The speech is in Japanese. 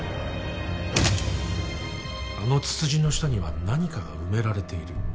あのツツジの下には何かが埋められている。